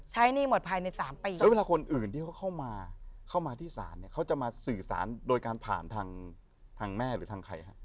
ใช้หนี้หมดภายใน๓ปีแล้วเวลาคนอื่นที่เขาเข้ามาที่สารเขาจะมาสื่อสารโดยการผ่านทางแม่หรือทางใครฮะ